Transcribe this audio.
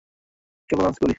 চলো, লাঞ্চ করি?